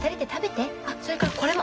それからこれも。